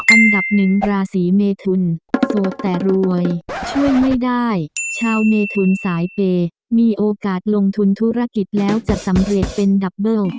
อันดับหนึ่งราศีเมทุนโสดแต่รวยช่วยไม่ได้ชาวเมทุนสายเปย์มีโอกาสลงทุนธุรกิจแล้วจะสำเร็จเป็นดับเบิ้ล